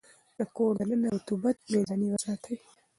د کور دننه رطوبت منځنی وساتئ.